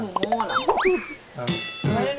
หนูโง่หรอ